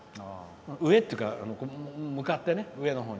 上っていうか向かって上のほうに。